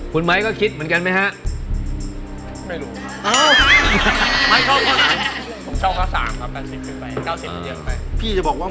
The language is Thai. คุณไม้ก็คิดเหมือนกันไหมฮะ